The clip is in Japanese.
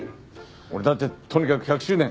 俺だってとにかく１００周年。